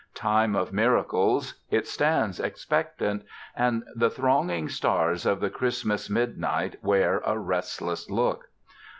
Time of miracles, it stands expectant, and the thronging stars of the Christmas midnight wear a restless look.